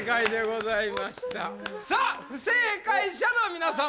さあ不正解者の皆さん